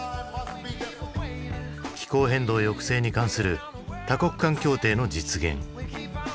気候変動抑制に関する多国間協定の実現。